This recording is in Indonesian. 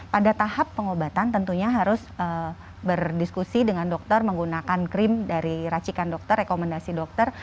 pada tahap pengobatan tentunya harus berdiskusi dengan dokter menggunakan krim dari racikan dokter rekomendasi dokter